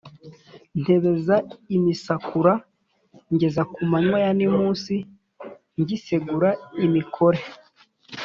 Ntebeza imisakura ngeza ku manywa ya nimunsi ngisegura imikore,